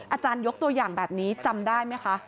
ยกตัวอย่างแบบนี้จำได้ไหมคะ